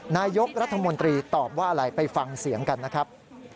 นายกรัฐมนตรีตอบว่าอะไรไปฟังเสียงกันนะครับ